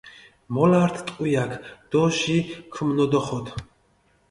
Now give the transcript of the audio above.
მოლართ ტყვიაქ დო ჟი ქჷმნოდოხოდ.